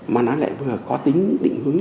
mà nó lại vừa có tính định hướng